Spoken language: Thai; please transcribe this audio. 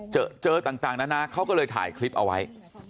เจอต่างนานาเขาก็เลยถ่ายคลิปเอาไว้